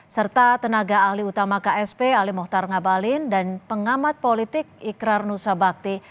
serta tenaga ahli utama ksp ali mohtar ngabalin dan pengamat politik ikrar nusa bakti